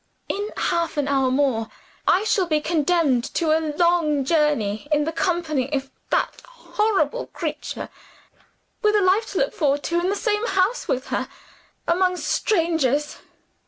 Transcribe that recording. In half an hour more, I shall be condemned to a long journey in the company of that horrible creature with a life to look forward to, in the same house with her, among strangers!